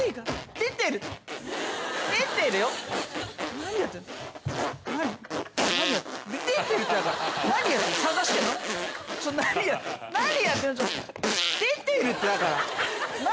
出てるってだから何？